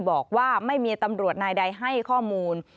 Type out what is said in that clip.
บอกว่าไม่มีตำรวจนายใดให้ข้อมูล